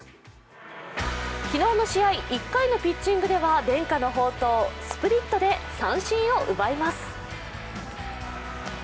昨日の試合、１回のピッチングでは伝家の宝刀、スプリットで三振を奪います。